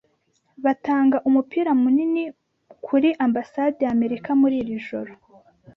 Batanga umupira munini kuri Ambasade yAmerika muri iri joro.